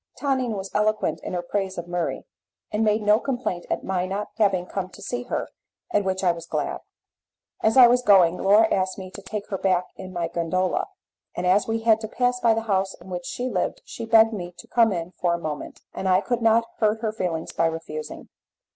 Tonine was eloquent in her praise of Murray, and made no complaint at my not having come to see her, at which I was glad. As I was going Laura asked me to take her back in my gondola, and as we had to pass by the house in which she lived she begged me to come in for a moment, and I could not hurt her feelings by refusing.